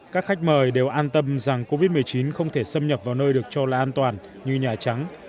các khách mời đều an tâm rằng covid một mươi chín không thể xâm nhập vào nơi được cho là an toàn như nhà trắng